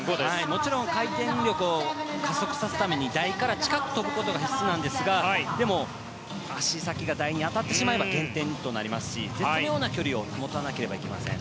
もちろん回転力を加速させるために台から近く飛ぶことが必須なんですがでも足先が台に当たってしまえば減点となりますし絶妙な距離を保たなければいけません。